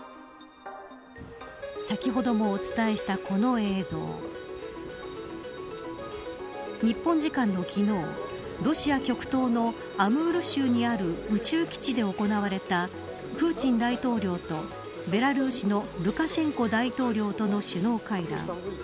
先ほどもお伝えしたこの映像日本時間の昨日ロシア極東のアムール州にある宇宙基地で行われたプーチン大統領とベラルーシのルカシェンコ大統領との首脳会談。